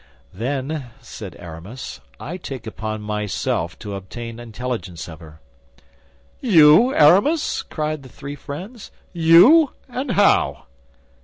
"Then," said Aramis, "I take upon myself to obtain intelligence of her." "You, Aramis?" cried the three friends. "You! And how?"